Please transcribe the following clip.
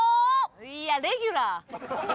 いやレギュラー！